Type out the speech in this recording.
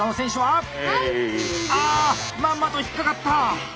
あまんまと引っ掛かった。